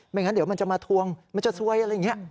งั้นเดี๋ยวมันจะมาทวงมันจะซวยอะไรอย่างนี้